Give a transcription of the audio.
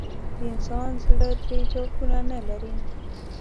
د انسان زړه درې جوفونه نه لري.